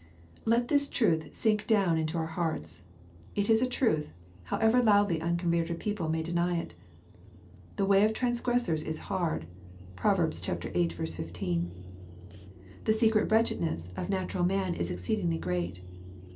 Let this truth sink down into our hearts. It is a truth, however loudly unconverted people may deny it. \"" The way of transgressors is hard." (Prov. xiii. 15.) The N| secret wretchedness of natural man is exceedingly great.